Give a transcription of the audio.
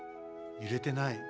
ゆれてない。